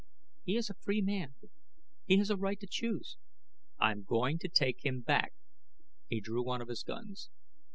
"He is a free man; he has a right to choose " "I'm going to take him back." He drew one of his guns.